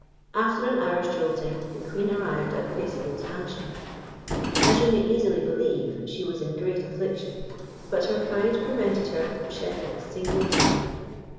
After an hour's jolting, the Queen arrived at Paisible's mansion. As you may easily believe, she was in great affliction, but her pride prevented her from shedding a single tear.